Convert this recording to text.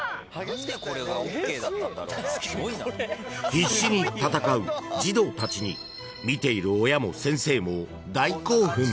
［必死に戦う児童たちに見ている親も先生も大興奮］